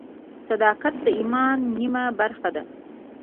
صداقت د ایمان نیمه برخه ده.